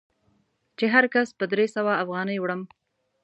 چې هر کس په درې سوه افغانۍ وړم.